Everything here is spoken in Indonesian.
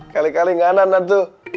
kali kali enggak enak tuh